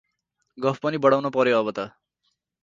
गफ पनि बढाउन पर्यो अब त ।